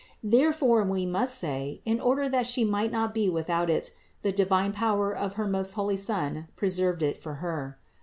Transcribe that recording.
Therefore we must say, in order that She might not be without it, the divine power of her most holy Son preserved it for Her.